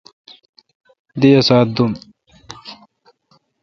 دی اسا ت دوم۔